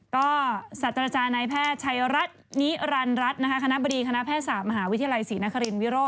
ก็สัตว์ราชาณายแพทย์ชัยรัฐนิรันรัฐคณะบรีคณะแพทย์สามมหาวิทยาลัยศรีนครินวิโร่